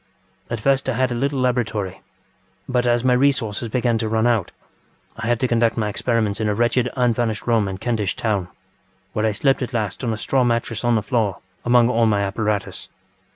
At first I had a little laboratory, but as my resources began to run out I had to conduct my experiments in a wretched unfurnished room in Kentish Town, where I slept at last on a straw mattress on the floor among all my apparatus.